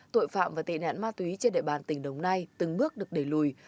tội phạm và tị nạn ma túy trên đại bàn tỉnh đồng nai từng bước được đẩy lùi